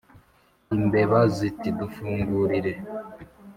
Imbeba ziti: "Dufungurire!"